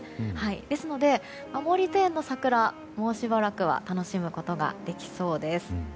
ですので、毛利庭園の桜はもうしばらくは楽しむことができそうです。